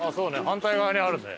反対側にあるね。